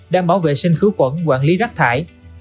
đảm bảo vệ sinh khứ quẩn quản lý rác thải